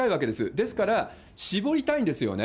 ですから、絞りたいんですよね。